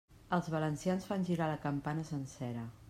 Els valencians fan girar la campana sencera.